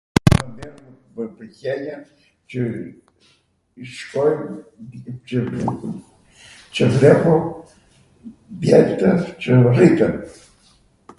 Mw pwlqenw qw shkojm qw vlepo djeltw qw rriten.